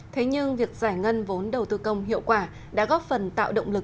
thế nhưng việc giải ngân vốn đầu tư công hiệu quả đã góp phần tạo động lực